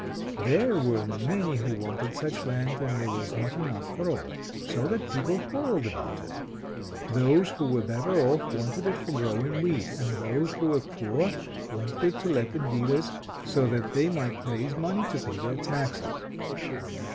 There were many who wanted such land, and there was not enough for all; so that people quarrelled about it. Those who were better off, wanted it for growing wheat, and those who were poor, wanted it to let to dealers, so that they might raise money to pay their taxes.